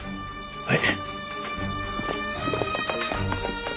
はい。